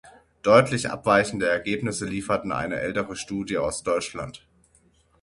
Deutlich abweichende Ergebnisse lieferten eine ältere Studie aus Deutschland.